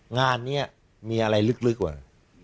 งานนี้มีอะไรลึกว่ะ